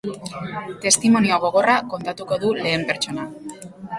Testimonio gogorra kontatuko du, lehen pertsonan.